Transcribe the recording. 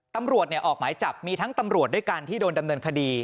ตำรวจออกหมายจับมีทั้งตำรวจด้วยกันที่โดนดำเนินคดี